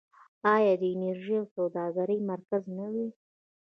آیا د انرژۍ او سوداګرۍ مرکز نه وي؟